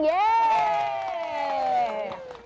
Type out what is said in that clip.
เย้